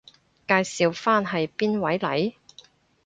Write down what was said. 介紹返係邊位嚟？